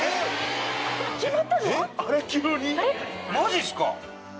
マジっすか？